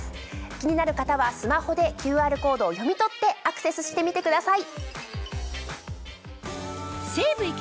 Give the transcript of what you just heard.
気になる方はスマホでＱＲコードを読み取ってアクセスしてみてください。